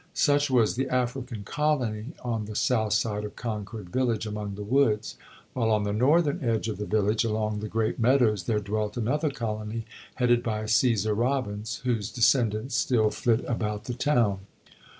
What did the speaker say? Such was the African colony on the south side of Concord village among the woods, while on the northern edge of the village, along the Great Meadows, there dwelt another colony, headed by Cæsar Robbins, whose descendants still flit about the town.